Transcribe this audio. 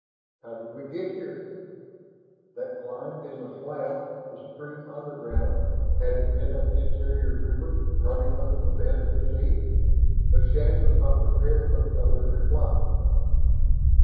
"How did we get here?" That climb in the slab, the stream underground.... Had it been an interior river running under the bed of the sea? But Shann was not prepared for the other's reply.